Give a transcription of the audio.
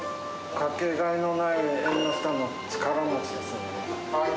掛けがえのない縁の下の力持ちですね。